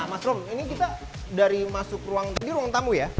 mas rom ini kita dari masuk ruang tadi di ruang tamu ya